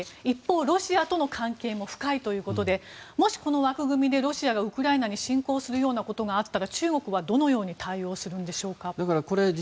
一方、ロシアとの関係も深いということでもし、この枠組みでロシアがウクライナに侵攻するようなことがあったら中国は、どのように対応するのでしょうか。